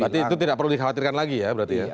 berarti itu tidak perlu dikhawatirkan lagi ya berarti ya